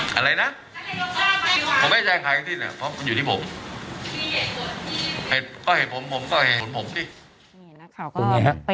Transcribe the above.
เขาเลยนะเขาไม่ได้แรงใครอีกทีเลยเพราะที่ผม